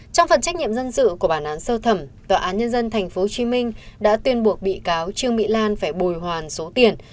trong phần trách nhiệm dân sự của bản án sơ thẩm tòa án nhân dân tp hcm đã tuyên buộc bị cáo trương mỹ lan phải bồi hoàn số tiền